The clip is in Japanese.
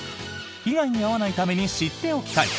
被害に遭わないために知っておきたい！